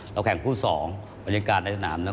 เราแข่งคู่๒บริเวณการณ์ในสนามนั้น